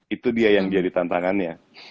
itu dia yang jadi tantangannya